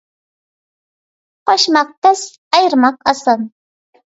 قوشماق تەس، ئايرىماق ئاسان.